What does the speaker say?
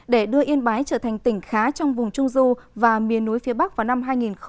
để đưa yên bái trở thành tỉnh khá trong vùng trung du và miền núi phía bắc vào năm hai nghìn hai mươi